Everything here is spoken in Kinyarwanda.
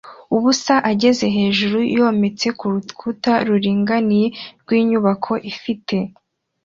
ubusa ageze hejuru yometse kurukuta ruringaniye rwinyubako ifite